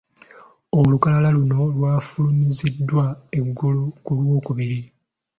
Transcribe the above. Olukalala luno olwafulumiziddwa eggulo ku Lwokubiri.